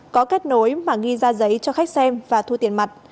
có kết nối mà ghi ra giấy cho khách xem và thu tiền mặt